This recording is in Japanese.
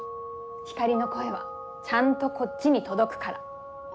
ひかりの声はちゃんとこっちに届くから。